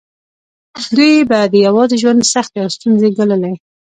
دوی به د یوازې ژوند سختې او ستونزې ګاللې.